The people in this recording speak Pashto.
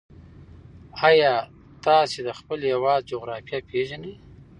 ایا تاسې د خپل هېواد جغرافیه پېژنئ؟